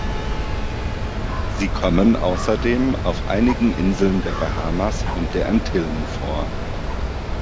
Sie kommen außerdem auf einigen Inseln der Bahamas und der Antillen vor.